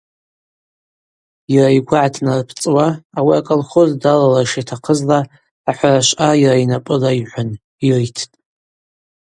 Йара йгвы гӏатнарпӏцӏуа ауи аколхоз далалра шитахъызла ахӏварашвъа йара йнапӏыла йгӏвын йриттӏ.